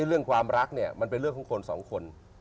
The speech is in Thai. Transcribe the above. เรื่องความรักเนี่ยมันเป็นเรื่องของคนสองคน